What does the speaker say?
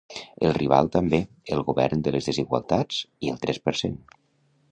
El rival també: el govern de les desigualtats i el tres per cent.